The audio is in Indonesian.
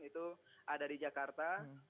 itu ada di jakarta